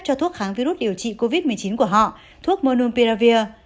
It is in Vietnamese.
cho thuốc kháng virus điều trị covid một mươi chín của họ thuốc monopiravir